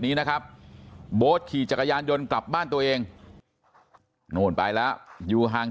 นี้นะครับโบ๊ทขี่จักรยานยนต์กลับบ้านตัวเองนู่นไปแล้วอยู่ห่าง